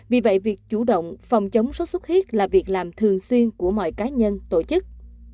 vì vậy việc chủ động phòng chống sốt xuất huyết là việc làm thường xuyên của mọi cá nhân tổ chức